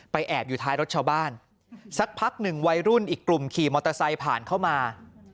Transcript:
แอบอยู่ท้ายรถชาวบ้านสักพักหนึ่งวัยรุ่นอีกกลุ่มขี่มอเตอร์ไซค์ผ่านเข้ามา